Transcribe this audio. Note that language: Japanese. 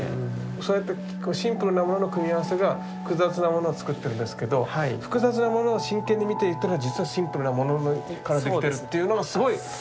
そうやってシンプルなものの組み合わせが複雑なものを作ってるんですけど複雑なものを真剣に見ていったら実はシンプルなものからできてるっていうのがすごい面白い。